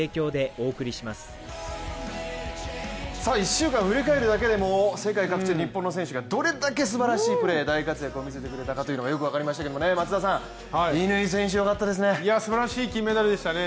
１週間を振り返るだけでも世界各地日本の選手がどれだけすばらしいプレー、大活躍を見せてくれたかというのがよく分かりましたけれども、松田さん、乾選手、すばらしかったですね。